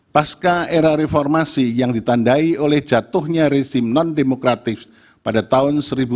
pasca era reformasi yang ditandai oleh jatuhnya resim non demokrati dan keadilan pemilu